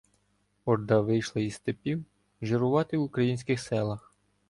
Орда вийшла зі степів жирувати в українських селах.